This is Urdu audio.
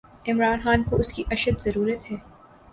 عمران خان کواس کی اشدضرورت ہے۔